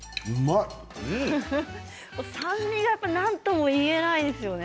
酸味が何とも言えないですよね。